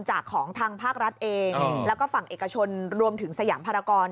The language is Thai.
ของทางภาครัฐเองแล้วก็ฝั่งเอกชนรวมถึงสยามภารกร